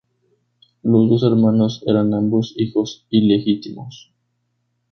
Los dos hermanos eran ambos hijos ilegítimos.